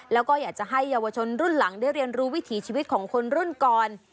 แล้วก็อยากจะให้เยาวชนรุ่นหลังได้เรียนรู้วิถีชีวิตของคนรุ่นก่อน